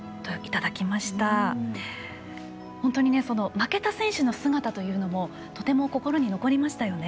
負けた選手の姿というのもとても心に残りましたよね。